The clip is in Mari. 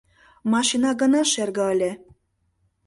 — Машина гына шерге ыле.